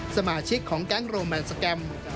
สมาชิกของแก๊งโรแมนสแกรม